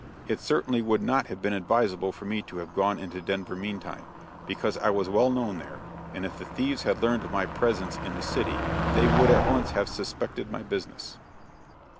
It certainly would not have been advisable for me to have gone into Denver meantime because I was well known there, and if the thieves had learned of my presence in the city they would at once have suspected my business.